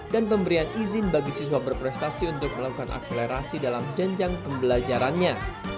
dan pemberian izin bagi siswa berprestasi untuk melakukan akselerasi dalam jenjang pembelajarannya